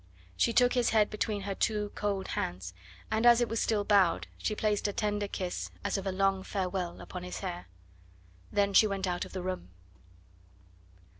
She took his head between her two cold hands, and as it was still bowed she placed a tender kiss, as of a long farewell, upon his hair. Then she went out of the room.